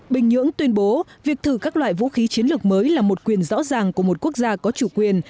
bình nhưỡng tuyên bố việc thử các loại vũ khí chiến lược mới là một quyền rõ ràng của một quốc gia có chủ quyền